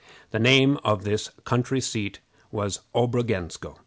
The name of this country seat was Obrogensko.